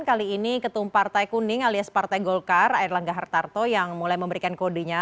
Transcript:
kali ini ketum partai kuning alias partai golkar air langga hartarto yang mulai memberikan kodenya